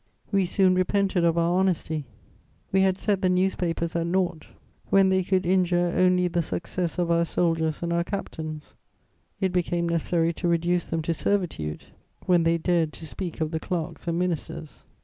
We soon repented of our honesty. We had set the newspapers at naught when they could injure only the success of our soldiers and our captains; it became necessary to reduce them to servitude when they dared to speak of the clerks and ministers....